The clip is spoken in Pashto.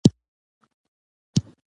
مچمچۍ د رنګونو سره حساسه ده